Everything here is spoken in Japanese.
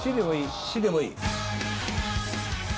「し」でもいい。